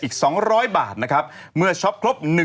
อีก๒๐๐บาทเมื่อช็อปครบ